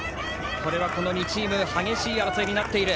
この２チーム激しい争いになっています。